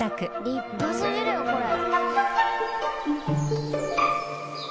立派すぎるよこれ。